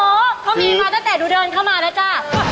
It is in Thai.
เขามีมาตั้งแต่หนูเดินเข้ามาแล้วจ้ะ